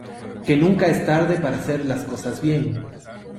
que nunca es tarde para hacer las cosas bien.